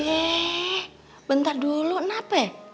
ee bentar dulu nape